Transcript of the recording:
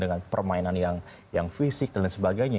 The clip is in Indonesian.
dengan permainan yang fisik dan sebagainya